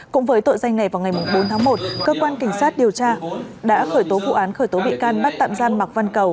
cũng với tội danh này vào ngày bốn tháng một cơ quan cảnh sát điều tra đã khởi tố vụ án khởi tố bị can bắt tạm giam mạc văn cầu